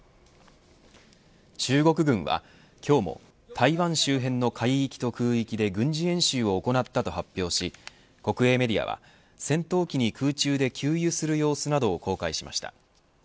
中国軍は今日も台湾周辺の海域と空域で軍事演習を行ったと発表し国営メディアは、戦闘機に空中で給油する様子などを公開しました。